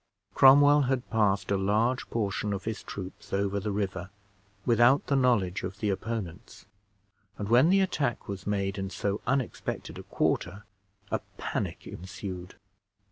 Cromwell had passed a large portion of his troops over the river without the knowledge of the opponents, and when the attack was made in so unexpected a quarter, a panic ensued.